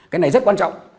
cái này rất quan trọng